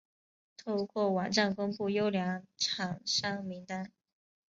透过网站公布优良厂商名单